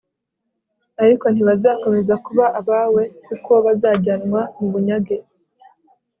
ariko ntibazakomeza kuba abawe kuko bazajyanwa mu bunyage